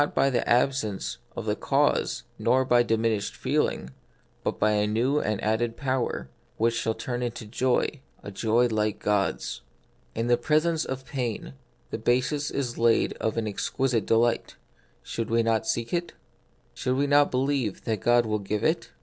43 by the absence of the cause nor by diminished feeling, but by a new and added power, which shall turn it into joy — a joy like God's. In the presence of pain the basis is laid of an exquisite delight ; should we not seek it ? Should we not believe that God will give it